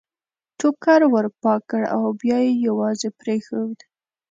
ټوکر ور پاک کړ او بیا یې یوازې پرېښود.